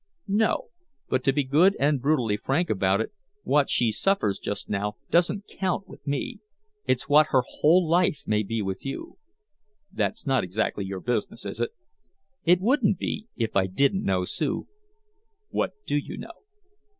"No. But to be good and brutally frank about it, what she suffers just now doesn't count with me. It's what her whole life may be with you." "That's not exactly your business, is it?" "It wouldn't be if I didn't know Sue." "What do you know?"